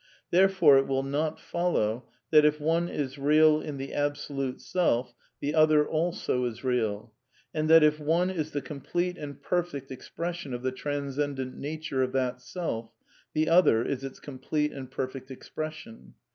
Therefore it will not follow that if one is real in the Absolute Self, the other also is real; and that if one is the complete and perfect expression of the transcendent nature of that Self, the other is its complete and perfect expression.